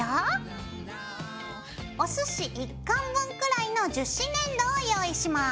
おすし１カン分くらいの樹脂粘土を用意します。